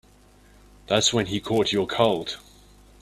That's when he caught your cold.